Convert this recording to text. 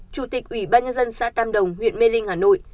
chủ tịch ủy ban nhân dân xã tam đồng huyện mê linh hà nội